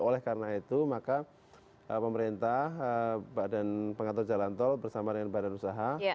oleh karena itu maka pemerintah badan pengatur jalan tol bersama dengan badan usaha